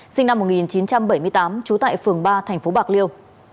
sinh năm một nghìn chín trăm bảy mươi tám trú tại phường ba tp bạc liêu